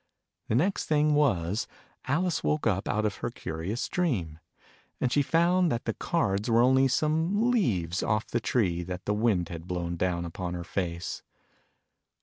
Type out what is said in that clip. The next thing was, Alice woke up out of her curious dream. And she found that the cards were only some leaves off the tree, that the wind had blown down upon her face.